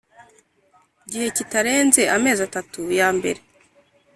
gihe kitarenze amezi atatu ya mbere